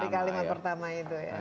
di kalimat pertama itu ya